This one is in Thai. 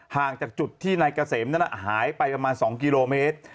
ห่างจากจุดที่นายเกษมนั้นหายไปประมาณ๒กิโลเมตร